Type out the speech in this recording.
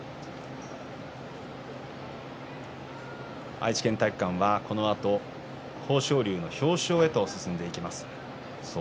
愛知県体育館はこのあと豊昇龍への表彰へと進んでいきます。